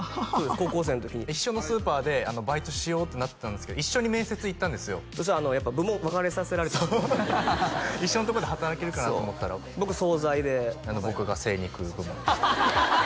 高校生の時に一緒のスーパーでバイトしようってなったんですけど一緒に面接行ったんですよそしたらやっぱ部門分かれさせられて一緒のとこで働けるかなと思ったら僕惣菜で僕が精肉部門でしたね